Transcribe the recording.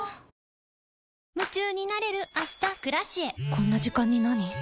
こんな時間になに？